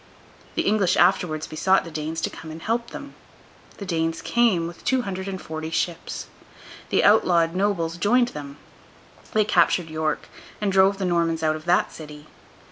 The English afterwards besought the Danes to come and help them. The Danes came, with two hundred and forty ships. The outlawed nobles joined them; they captured York, and drove the Normans out of that city.